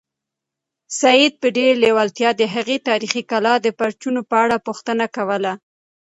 سعید په ډېرې لېوالتیا د هغې تاریخي کلا د برجونو په اړه پوښتنه کوله.